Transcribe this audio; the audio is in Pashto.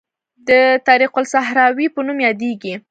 د طریق الصحراوي په نوم یادیږي.